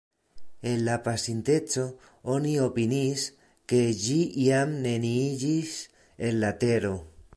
En la pasinteco oni opiniis, ke ĝi jam neniiĝis en la tero.